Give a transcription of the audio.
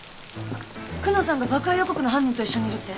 久能さんが爆破予告の犯人と一緒にいるって。